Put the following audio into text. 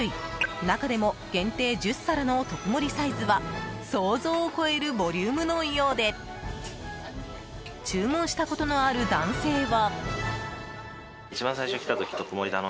中でも限定１０皿の特盛サイズは想像を超えるボリュームのようで注文したことのある男性は。